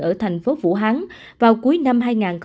ở thành phố vũ hán vào cuối năm hai nghìn một mươi chín